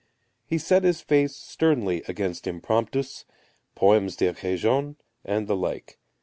He set his face sternly against impromptus, poemes d'occasion, and the like.